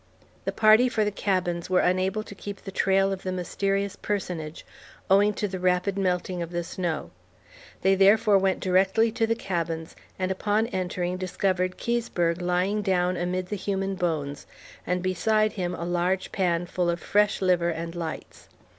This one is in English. The party for the cabins were unable to keep the trail of the mysterious personage, owing to the rapid melting of the snow; they therefore went directly to the cabins and upon entering discovered Keseberg lying down amid the human bones, and beside him a large pan full of fresh liver and lights.